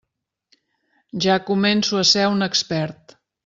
Ja començo a ser un expert.